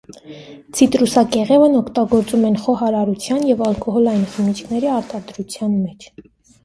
Ցիտրուսակեղևն օգտագործում են խոհարարության և ալկոհոլային խմիչքի արտադրության մեջ։